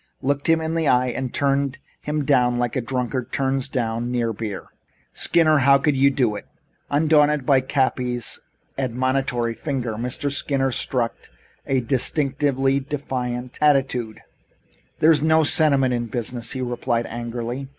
looked him in the eye and turned him down like a drunkard turns down near beer. Skinner, how could you do it?" Undaunted by Cappy's admonitory finger, Mr. Skinner struck a distinctly defiant attitude. "There is no sentiment in business," he replied angrily.